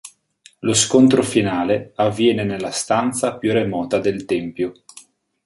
Lo scontro finale avviene nella stanza più remota del tempio.